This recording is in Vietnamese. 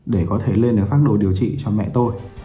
để có thể lên phát đồ điều trị cho mẹ tôi